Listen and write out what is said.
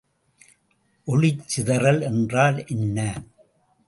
ஒளிச்சிதறல் என்றால் என்ன?